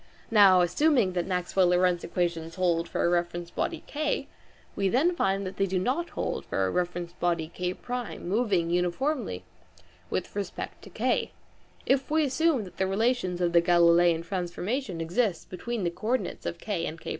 Now assuming that the Maxwell Lorentz equations hold for a reference body K, we then find that they do not hold for a reference body K1 moving uniformly with respect to K, if we assume that the relations of the Galileian transformstion exist between the co ordinates of K and K1.